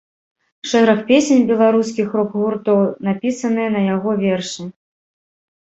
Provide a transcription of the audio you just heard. Шэраг песень беларускіх рок-гуртоў напісаныя на яго вершы.